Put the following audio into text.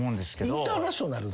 インターナショナル？